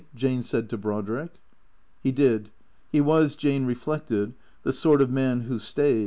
" Jane said to Brodrick. He did. He was, Jane reflected, the sort of man who stayed.